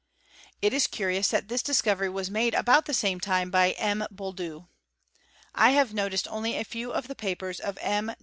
It is curious that this discovery was made about the same time by M. Boulduc. i have noticed only a few of the papers of M.